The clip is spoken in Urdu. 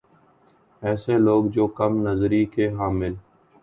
ایسے لوگ جو کم نظری کے حامل